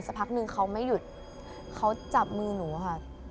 พักนึงเขาไม่หยุดเขาจับมือหนูค่ะ